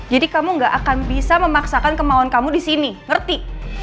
jadi kamu nggak akan bisa memaksakan kemauan kamu di sini ngerti